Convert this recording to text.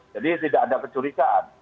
jadi tidak ada kecurigaan